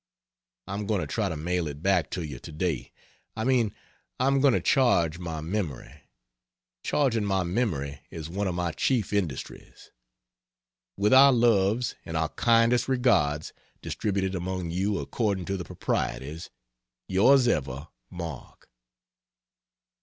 I'm going to try to mail it back to you to day I mean I am going to charge my memory. Charging my memory is one of my chief industries.... With our loves and our kindest regards distributed among you according to the proprieties. Yrs ever MARK.